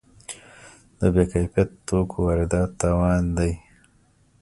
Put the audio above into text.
د بې کیفیت توکو واردات تاوان دی.